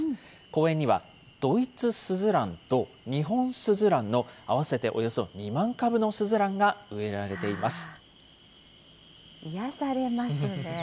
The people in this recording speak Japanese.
公園には、ドイツスズランとニホンスズランの合わせておよそ２万株のスズランが植えられています。